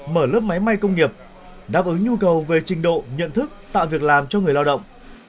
mở lớp máy may công nghiệp đáp ứng nhu cầu về trình độ nhận thức tạo việc làm cho người lao động